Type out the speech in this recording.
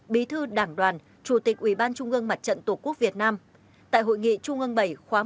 phó chủ tịch ủy ban trung ương mặt trận tổ quốc việt nam trưởng đoàn đại biểu quốc hội khóa một mươi ba thành phố cần thơ